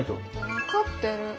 分かってる。